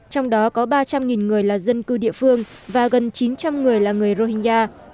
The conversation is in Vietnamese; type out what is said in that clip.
trong đó có ba trăm linh người là dân cư địa phương và gần chín trăm linh người là người rohingya